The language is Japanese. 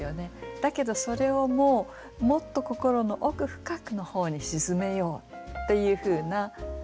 だけどそれをもうもっとこころの奥深くの方に沈めようっていうふうな思いなんですよね。